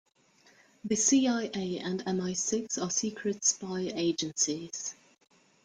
The CIA and MI-Six are secret spy agencies.